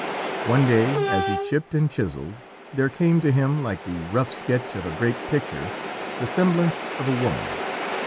One day as he chipped and chiselled there came to him, like the rough sketch of a great picture, the semblance of a woman.